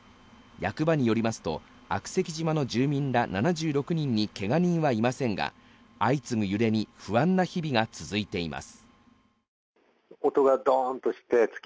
役場によりますと、悪石島の住民ら７６人にけが人はいませんが、相次ぐ揺れに不安な日々が続いています。